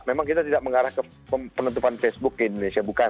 memang kita tidak mengarah ke penutupan facebook di indonesia